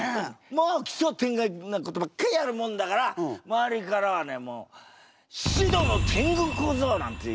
まあ奇想天外なことばっかりやるもんだから周りからはねもう志度の天狗小僧なんていう。